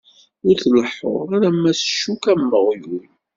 Ur tleḥḥuḍ alamma s ccuka am uɣyul.